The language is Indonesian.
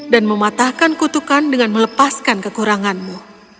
dan mematahkan kutukan dengan melepaskan kekuranganmu